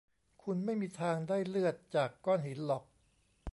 คุณไม่มีทางได้เลือดจากก้อนหินหรอก